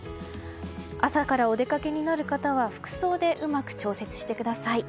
朝からお出かけになる方は服装でうまく調節してください。